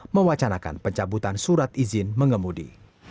mewacanakan pencabutan surat izin mengemudi